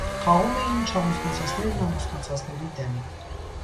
Խաղում էին չամուսնացածներն ամուսնացածների դեմ։